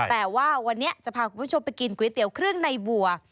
แต่ว่าวันนี้จะพาคุณผู้ชมไปกินก๋วยเตี๋ยวเครื่องในบัว